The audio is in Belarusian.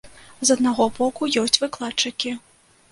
З аднаго боку, ёсць выкладчыкі.